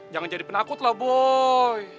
jangan jadi penakut lah boy